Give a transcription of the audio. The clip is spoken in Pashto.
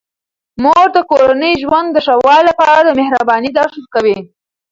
مور د کورني ژوند د ښه والي لپاره د مهربانۍ درس ورکوي.